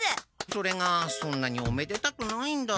それがそんなにおめでたくないんだ。